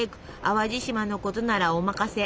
淡路島のことならお任せ。